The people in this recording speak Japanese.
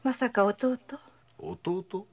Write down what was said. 弟？